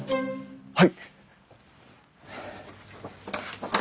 はい！